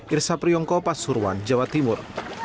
irsa priyongko pasuruan jawa timur